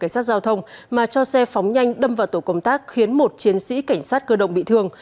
cảnh sát giao thông mà cho xe phóng nhanh đâm vào tổ công tác khiến một chiến sĩ cảnh sát cơ động bị thương